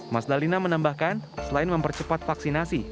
mas dalina menambahkan selain mempercepat vaksinasi